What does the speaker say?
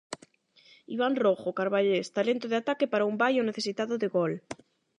Iván Rojo, carballés, talento de ataque para un Baio necesitado de gol.